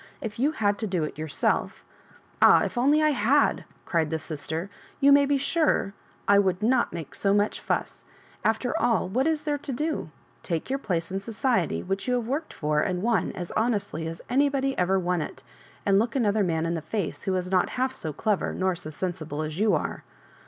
If you had to do it your self "" Ah, if I only had I" cried the sister. " You may be sure I would not make so much fuss. Afler all, what is there to do ? Take your place in society, which you have worked for and won as honestly as anybody ever won it, and look another man in the face who is not half so clever nor so sensible as you are.